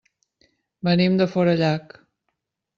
Venim de Forallac.